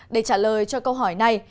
để trả lời cho câu hỏi này